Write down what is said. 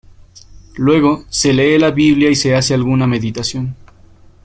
Luego, se lee la Biblia y se hace alguna meditación.